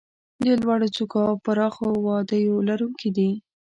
د لوړو څوکو او پراخو وادیو لرونکي دي.